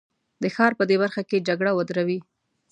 د ښار په دې برخه کې جګړه ودروي.